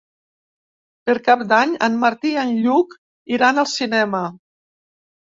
Per Cap d'Any en Martí i en Lluc iran al cinema.